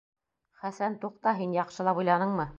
Хәсән, туҡта, һин яҡшылап уйланыңмы?